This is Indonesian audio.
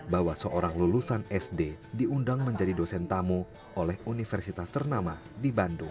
bahwa seorang lulusan sd diundang menjadi dosen tamu oleh universitas ternama di bandung